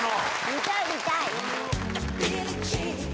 ・見たい見たい！